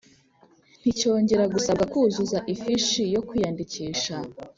nticyongera gusabwa kuzuza ifishi yo kwiyandikisha.